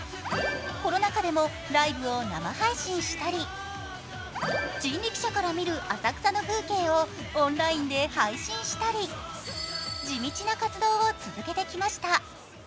コロナ禍でもライブを生配信したり、人力車から見る浅草の風景をオンラインで配信したり、地道な活動を続けてきました。